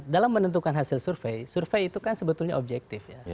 dalam menentukan hasil survei survei itu kan sebetulnya objektif ya